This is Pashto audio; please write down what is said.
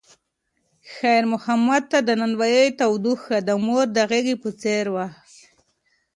خیر محمد ته د نانوایۍ تودوخه د مور د غېږې په څېر وه.